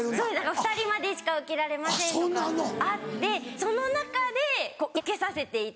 ２人までしか受けられませんとかあってその中でこう受けさせていただく。